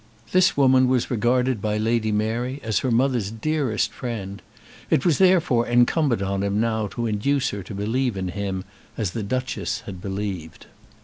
This woman was regarded by Lady Mary as her mother's dearest friend. It was therefore incumbent on him now to induce her to believe in him as the Duchess had believed.